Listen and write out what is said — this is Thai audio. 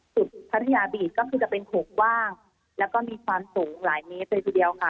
พัทยาบีดก็คือจะเป็นโขงกว้างแล้วก็มีความสูงหลายเมตรเลยทีเดียวค่ะ